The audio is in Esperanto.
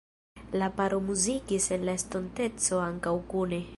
La paro muzikis en la estonteco ankaŭ kune.